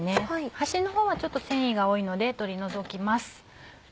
端のほうはちょっと繊維が多いので取り除きます。